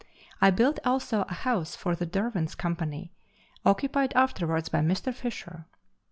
I built also a house for the Derwent Company, occupied afterwards by Mr. Fisher.